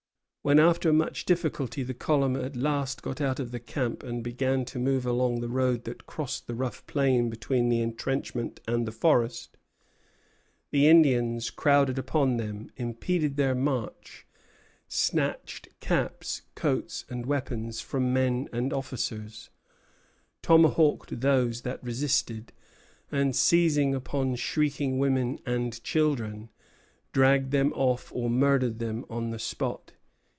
When, after much difficulty, the column at last got out of the camp and began to move along the road that crossed the rough plain between the entrenchment and the forest, the Indians crowded upon them, impeded their march, snatched caps, coats, and weapons from men and officers, tomahawked those that resisted, and, seizing upon shrieking women and children, dragged them off or murdered them on the spot.